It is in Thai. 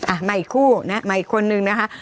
อ่ะมาอีกคู่ไปอีกคนหนึ่งนะฮะ